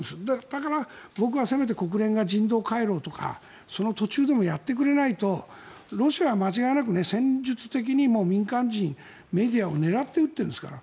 だから、僕はせめて国連が人道回廊とかその途中でもやってくれないとロシアは間違いなく戦術的にも民間人、メディアを狙って撃っているんですから。